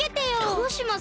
どうします？